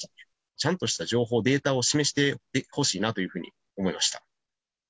ちゃんとした情報、データを示してほしいなというふうに思いました。